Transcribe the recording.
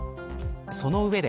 その上で。